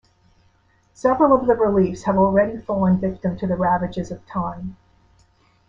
Several of the reliefs have already fallen victim to the ravages of time.